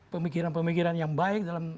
pemikiran pemikiran yang baik dalam